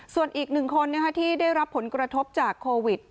ส่วนอีกหนึ่งคนที่ได้รับผลกระทบจากโควิด